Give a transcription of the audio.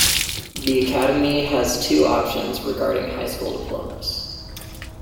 The Academy has two options regarding high school diplomas.